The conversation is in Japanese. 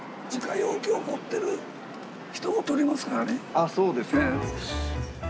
あっそうですか。